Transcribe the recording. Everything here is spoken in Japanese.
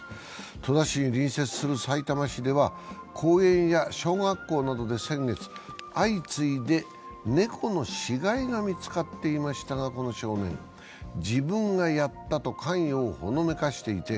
戸田市に隣接するさいたま市では公園や小学校などで先月、相次いで猫の死骸が見つかっていましたが、この少年、自分がやったと関与をほのめかしていて